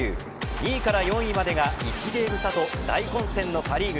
２位から４位までが１ゲーム差と大混戦のパ・リーグ。